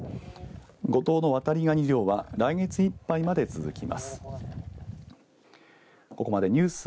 五島のワタリガニ漁は来月いっぱいまで続きます。